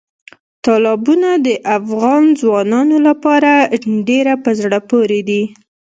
تالابونه د افغان ځوانانو لپاره ډېره په زړه پورې دي.